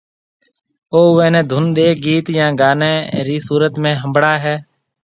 او اوئيَ نيَ ڌُن ڏيَ گيت يا گانيَ رِي صورت ۾ ھنڀڙائيَ هيَ